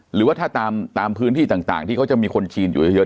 หรือว่าถ้าตามพื้นที่ต่างที่เขาจะมีคนจีนอยู่เยอะ